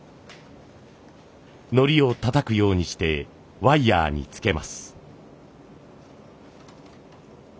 のりをたたくようにしてワイヤーに付けます。